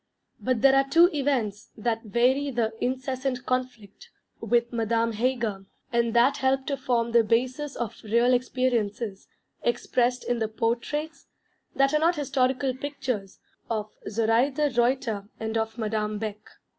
But there are two events that vary the incessant conflict with Madame Heger; and that help to form the basis of real experiences, expressed in the portraits (that are not historical pictures) of Zoraïde Reuter and of Madame Beck.